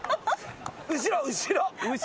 後ろ後ろ。